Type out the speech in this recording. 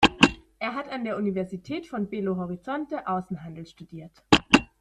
Er hat an der Universität von Belo Horizonte Außenhandel studiert.